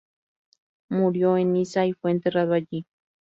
Murió en Niza y fue enterrado allí.